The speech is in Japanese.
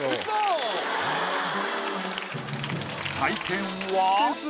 採点は。